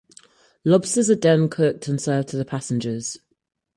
The lobsters are then cooked and served to the passengers.